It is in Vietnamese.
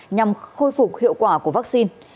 nhằm khôi phục hiệu quả của vaccine